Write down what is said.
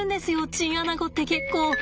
チンアナゴって結構。